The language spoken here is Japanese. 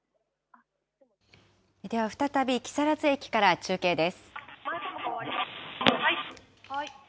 では再び木更津駅から中継です。